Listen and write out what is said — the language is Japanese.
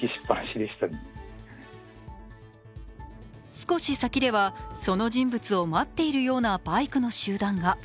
少し先ではその人物を待っているようなバイクの集団が。